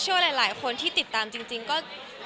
แต่ว่าก็ช่วยหลายคนที่ติดตามจริงก็จะเหมียวให้